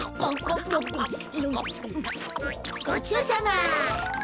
ごちそうさま！